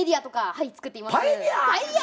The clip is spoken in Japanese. はい。